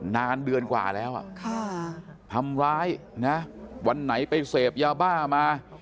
นานเดือนกว่าแล้วทำร้ายนะวันไหนไปเสพยาบ้ามา